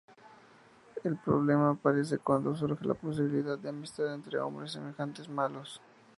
El problema aparece cuando surge la posibilidad de amistad entre hombres semejantes malos.